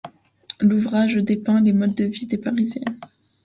L'ouvrage dépeint les modes de vie des Parisiennes.